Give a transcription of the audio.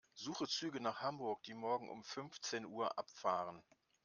Suche Züge nach Hamburg, die morgen um fünfzehn Uhr abfahren.